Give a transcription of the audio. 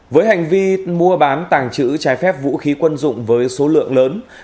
với hành vi mua bán tàng trữ trái phép vũ khí quân dụng với số lượng lớn